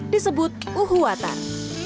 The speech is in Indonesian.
disebut uhu atar